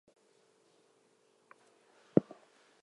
He is best known for his books "Tragic Magic" and "Darktown Strutters".